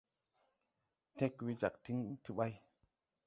Tẽg we jag tiŋ ti ɓay.